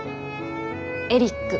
エリック。